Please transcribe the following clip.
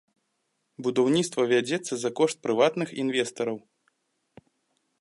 Будаўніцтва вядзецца за кошт прыватных інвестараў.